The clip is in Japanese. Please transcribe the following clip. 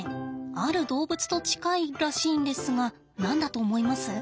ある動物と近いらしいんですが何だと思います？